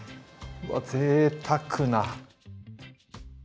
わあぜいたくな。